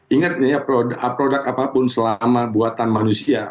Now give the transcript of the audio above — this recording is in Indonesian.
ingat produk apapun selama buatan manusia